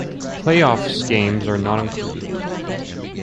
Play-offs games are not included.